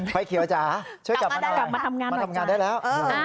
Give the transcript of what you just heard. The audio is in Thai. ไฟเขียวจ้าช่วยกลับมาหน่อยมาทำงานได้แล้ว